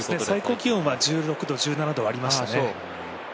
最高気温は１６度１７度ありましたね。